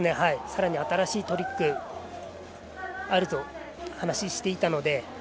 さらに新しいトリックがあると話していたので。